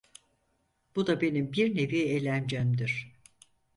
Bu da benim bir nevi eğlencemdir!